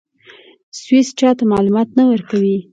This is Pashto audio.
سویس چا ته معلومات نه ورکوي.